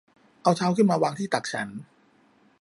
เอาเท้าขึ้นมาวางที่ตักฉัน